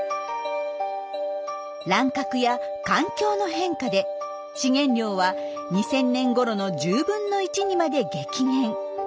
乱獲や環境の変化で資源量は２０００年ごろの１０分の１にまで激減。